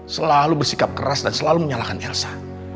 selalu bersikap keras dan selalu menyalahkan elsa